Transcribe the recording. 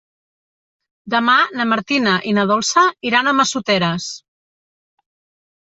Demà na Martina i na Dolça iran a Massoteres.